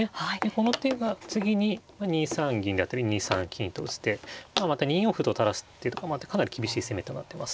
この手が次に２三銀だったり２三金と打つ手また２四歩と垂らす手とかもあってかなり厳しい攻めとなってます。